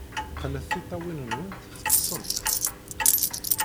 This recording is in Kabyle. Qqnet tiṭṭawin-nwent, teḍḍsemt!